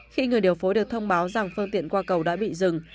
khi người điều phối được thông báo rằng phương tiện qua cầu đã bị dừng